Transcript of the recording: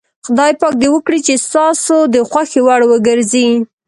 خدای پاک دې وکړي چې ستاسو د خوښې وړ وګرځي.